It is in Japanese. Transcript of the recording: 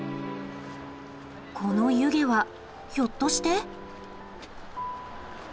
この湯気はひょっとして。